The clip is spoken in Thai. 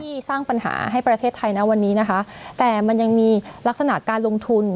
สร้างปัญหาให้ประเทศไทยนะวันนี้นะคะแต่มันยังมีลักษณะการลงทุน